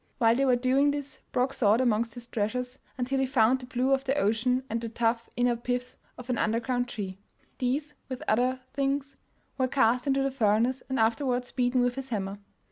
While they were doing this Brok sought amongst his treasures until he found the blue of the ocean and the tough inner pith of an underground tree; these, with other things, were cast into the furnace, and afterwards beaten with his hammer.